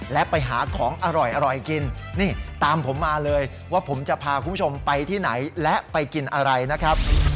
และไปหาของอร่อยกินนี่ตามผมมาเลยว่าผมจะพาคุณผู้ชมไปที่ไหนและไปกินอะไรนะครับ